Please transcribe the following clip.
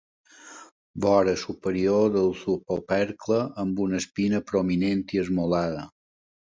Vora superior del subopercle amb una espina prominent i esmolada.